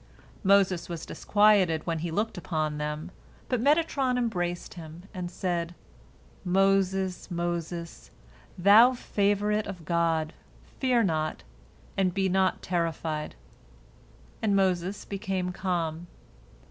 Moses was disquieted when he looked upon them, but Metatron embraced him, and said, "Moses, Moses, thou favorite of God, fear not, and be not terrified," and Moses became calm.